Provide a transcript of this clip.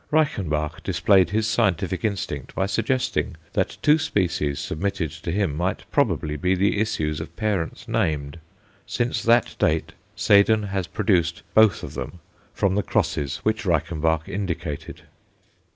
Reichenbach displayed his scientific instinct by suggesting that two species submitted to him might probably be the issue of parents named; since that date Seden has produced both of them from the crosses which Reichenbach indicated.